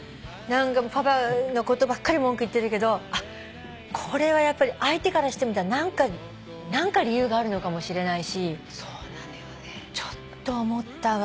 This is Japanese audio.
パパのことばっかり文句言ってるけどこれはやっぱり相手からしてみたら何か理由があるのかもしれないしちょっと思ったわ。